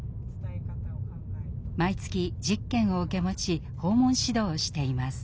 毎月１０軒を受け持ち訪問指導をしています。